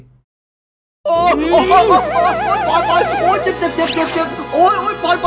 โอ้โหโอ้โหโอ้ยปอยโอ้ยเจ็บ